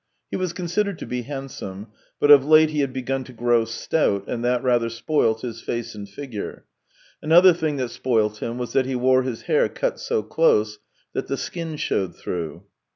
He was considered to be handsome, but of late he had begun to grow stout, and that rather spoilt his face and figure; another thing that spoilt him was that he wore his hair cut so close that the skin showed through.